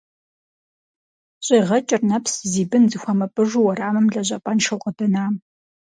ЩӀегъэкӀыр нэпс зи бын зыхуэмыпӀыжу уэрамым лэжьапӀэншэу къыдэнам…